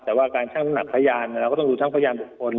แต่ว่าการช่างตนัดพยานเราก็ต้องรู้ทั้งพยานปกป้น